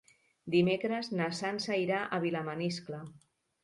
Dimecres na Sança irà a Vilamaniscle.